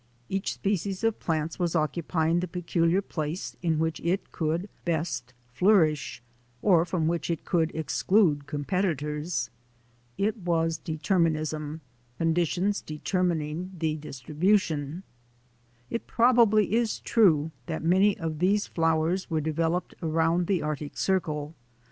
Each species of plants was occupying the peculiar place in which it could best flourish, or from which it could exclude competitors. It was determinism — conditions determining the distri bution. It probably is true that many of these flowers were developed around the Arctic Circle.